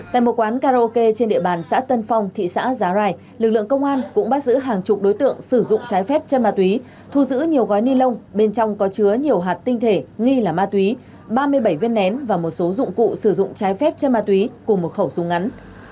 tại một quán karaoke trên địa bàn xã tân phong thị xã giá rai lực lượng công an cũng bắt giữ hàng chục đối tượng sử dụng trái phép chân ma túy thu giữ nhiều gói ni lông bên trong có chứa nhiều hạt tinh thể nghi là ma túy ba mươi bảy viên nén và một số dụng cụ sử dụng trái phép chân ma túy cùng một khẩu súng ngắn